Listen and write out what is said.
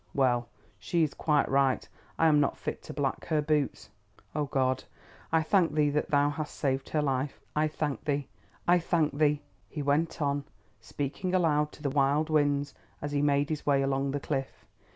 "Well, she is quite right—I am not fit to black her boots. Oh, God, I thank Thee that Thou hast saved her life. I thank Thee—I thank Thee!" he went on, speaking aloud to the wild winds as he made his way along the cliff.